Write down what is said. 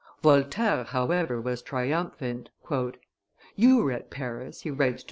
Voltaire, however, was triumphant. "You were at Paris," he writes to M.